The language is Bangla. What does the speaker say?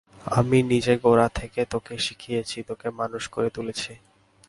আমিই নিজে গোড়া থেকে তোকে শিখিয়েছি, তোকে মানুষ করে তুলেছি।